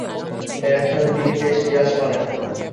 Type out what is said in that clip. Bat হাতে তিনি বেশ নিরাশ করেন।